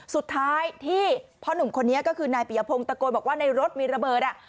สุดท้ายที่พ่อหนุ่มคนนี้ก็คือนายปียพงศ์ตะโกนบอกว่าในรถมีระเบิดอ่ะ